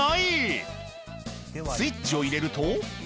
スイッチを入れると。